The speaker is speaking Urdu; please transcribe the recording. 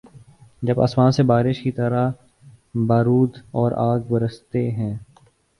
جب آسمان سے بارش کی طرح بارود اور آگ‘ برستے ہیں۔